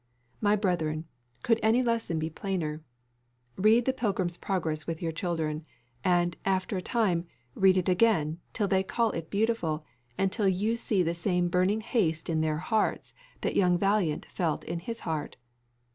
My brethren, could any lesson be plainer? Read the Pilgrim's Progress with your children. And, after a time, read it again till they call it beautiful, and till you see the same burning haste in their hearts that young Valiant felt in his heart.